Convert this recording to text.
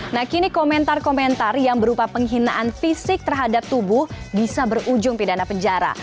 nah kini komentar komentar yang berupa penghinaan fisik terhadap tubuh bisa berujung pidana penjara